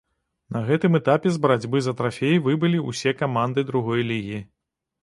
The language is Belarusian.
На гэтым этапе з барацьбы за трафей выбылі ўсе каманды другой лігі.